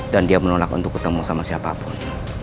dan dia menolak untuk ketemu sama siapapun